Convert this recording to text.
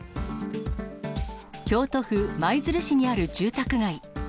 京都府舞鶴市にある住宅街。